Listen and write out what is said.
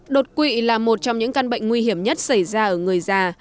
đột quỵ là một trong những căn bệnh nguy hiểm nhất xảy ra ở người già